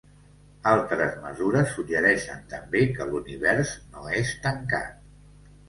Altres mesures suggereixen també que l'univers no és tancat.